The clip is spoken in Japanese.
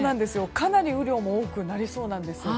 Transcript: かなり雨量も多くなりそうなんです。